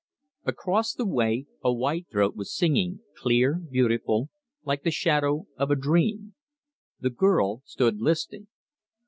Across the way a white throat was singing, clear, beautiful, like the shadow of a dream. The girl stood listening.